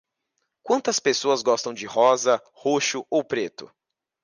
Quantas pessoas gostam de rosa, roxo ou preto?